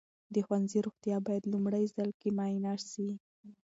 د ښوونځي روغتیا باید لومړي ځل کې معاینه سي.